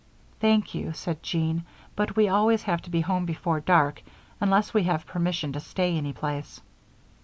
"Thank you," said Jean, "but we always have to be home before dark unless we have permission to stay any place."